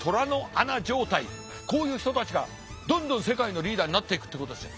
こういう人たちがどんどん世界のリーダーになっていくってことですよ。